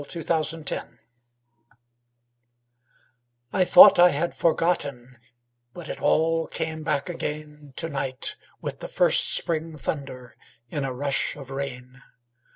1 Autoplay I thought I had forgotten, But it all came back again To night with the first spring thunder In a rush of rain.